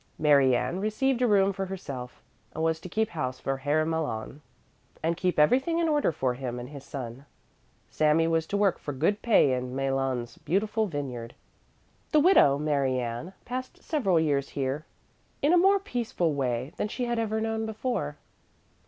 Mary Ann received a room for herself and was to keep house for Herr Malon, and keep everything in order for him and his son. Sami was to work for good pay in Malon's beautiful vineyard. The widow Mary Ann passed several years here in a more peaceful way than she had ever known before.